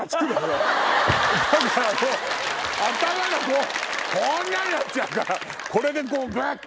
だからもう頭がこんなんなっちゃうからこれでこうグッ！